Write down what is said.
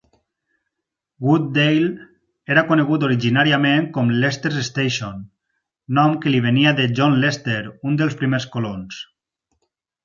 Wood Dale era conegut originàriament com Lester's Station", nom que li venia de John Lester, un dels primers colons.